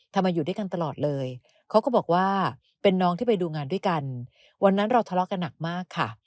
มาอยู่ด้วยกันตลอดเลยเขาก็บอกว่าเป็นน้องที่ไปดูงานด้วยกันวันนั้นเราทะเลาะกันหนักมากค่ะ